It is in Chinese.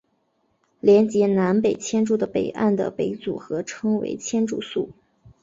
连结南北千住的北岸的北组合称千住宿。